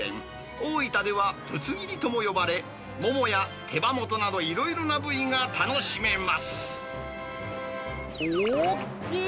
大分ではぶつ切りとも呼ばれ、モモや手羽元など、いろいろな部大きい！